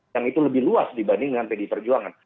dan itu lebih luas dibandingkan pdi perjuangan